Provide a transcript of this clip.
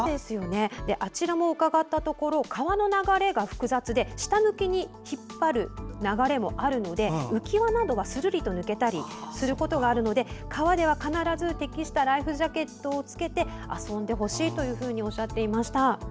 あちらも伺ったところ川の流れが複雑で下向きに引っ張る流れもあるので浮き輪などはするりと抜けることがあるので川では必ず適したライフジャケットを着けて遊んでほしいとおっしゃっていました。